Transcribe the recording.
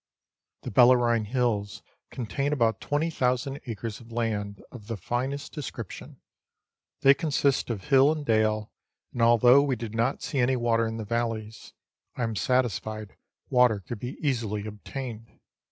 The Bellarine Hills contain about 20,000 acres of land of the finest description ; they consist of hill and dale, and although we did not see any water in the valleys, I am satisfied water could be easily obtained.